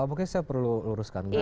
oke saya perlu uruskan